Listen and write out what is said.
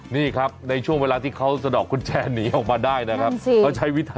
นี่ครับในช่วงเวลาที่เขาสะดอกกุญแจหนีออกมาได้นะครับ